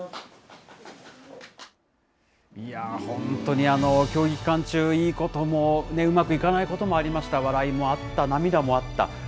いやぁ、本当に、競技期間中、いいこともね、うまくいかないこともありました、笑いもあった、涙もあった。